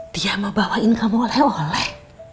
dia mau bawain kamu oleh oleh